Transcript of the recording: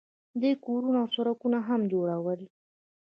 دوی کورونه او سړکونه هم جوړول.